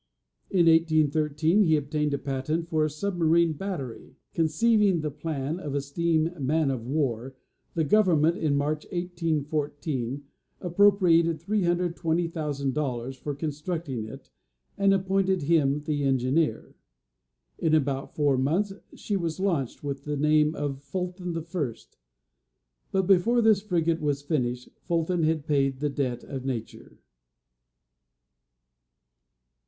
In 1813, he obtained a patent for a sub marine battery. Conceiving the plan of a steam man of war, the government, in March 1814, appropriated $320,000 for constructing it, and appointed him the engineer. In about four months, she was launched with the name of Fulton the First; but before this frigate was finished, Fulton had paid the debt of nature.